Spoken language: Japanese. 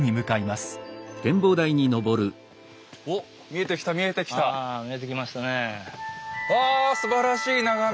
すばらしい眺め！